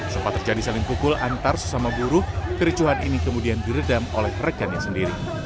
sempat terjadi saling pukul antar sesama buruh kericuhan ini kemudian diredam oleh rekannya sendiri